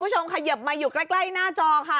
คุณผู้ชมเขยิบมาอยู่ใกล้หน้าจอค่ะ